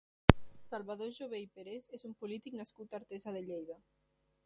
Salvador Jové i Peres és un polític nascut a Artesa de Lleida.